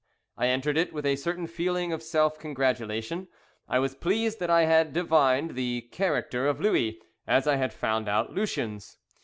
I entered it with a certain feeling of self congratulation. I was pleased that I had divined the character of Louis, as I had found out Lucien's.